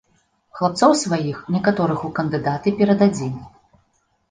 Хлапцоў сваіх некаторых у кандыдаты перададзім.